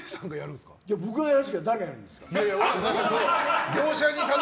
僕がやらないで誰がやるんですか。